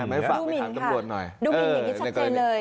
ดูหมินค่ะดูหมินอย่างนี้ชัดเจนเลย